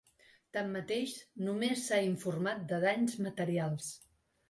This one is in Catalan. Tanmateix, només s’ha informat de danys materials.